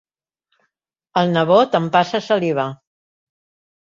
El nebot empassa saliva.